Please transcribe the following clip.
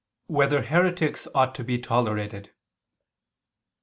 3] Whether Heretics Ought to Be Tolerated?